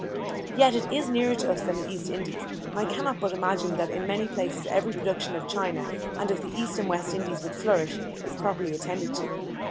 Yet it is nearer to us than the East Indies, and I cannot but imagine, that in many places every production of China, and of the East and West Indies, would flourish, if properly attended to.